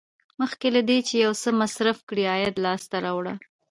مخکې له دې چې یو څه مصرف کړئ عاید لاسته راوړه.